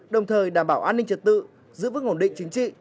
đồng thời đảm bảo an ninh trật tự giữ vững ổn định chính trị